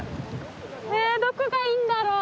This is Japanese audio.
えどこがいいんだろう？